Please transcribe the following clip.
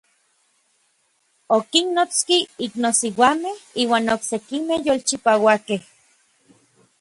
Okinnotski iknosiuamej iuan oksekimej yolchipauakej.